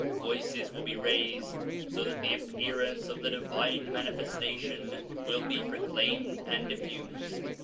Voices will be raised, so that the appear ance of the Divine Manifestation will be proclaimed and diffused.